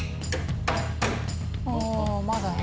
あまだ。